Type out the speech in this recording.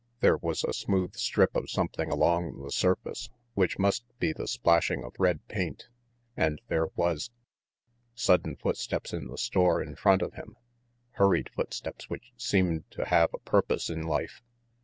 There was a smooth strip of something along the surface, which must be the splashing of red paint; and there was Sudden footsteps in the store in front of him. Hurried footsteps which seemed to have a purpose in life!